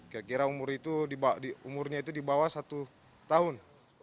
kira kira umurnya itu di bawah satu tahun